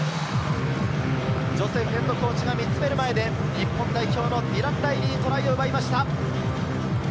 ジョセフＨＣが見つめる前で日本代表のディラン・ライリー、トライを奪いました。